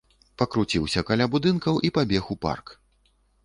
Пакруціўся каля будынкаў і пабег у парк.